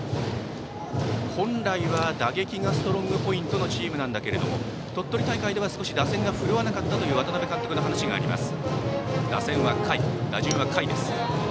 本来は打撃がストロングポイントのチームなんだけれども鳥取大会では少し打線が振るわなかったという渡辺監督の話があります。